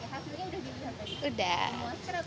hasilnya udah diberi apa